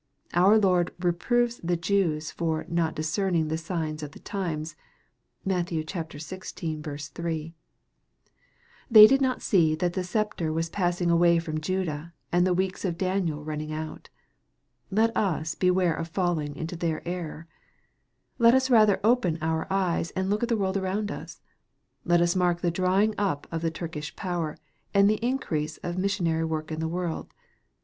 Our Lord reproved the Jews for "not discerning the signs of the times." (Matt. xvi. 3 ) They did not see that the sceptre was passing away from Judah, and the weeks of Daniel running out. Let us beware of fall ing into their error, ^et us rather open our eyes, and look at the world around us. Let us mark the dry ing up of the Turkish power, and the increase of mis sionary work in the world.